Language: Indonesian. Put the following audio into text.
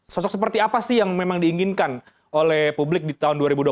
sosok seperti apa sih yang memang diinginkan oleh publik di tahun dua ribu dua puluh